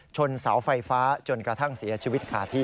เสาไฟฟ้าจนกระทั่งเสียชีวิตขาดที่